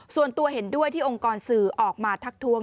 ส่วนตัวเห็นด้วยที่องค์กรสื่อออกมาทักทวง